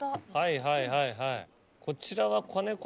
はいはいはいはいこちらは。